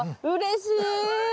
うれしい！